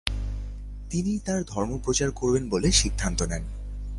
তিনি তার ধর্ম প্রচার করবেন বলে সিদ্ধান্ত নেন।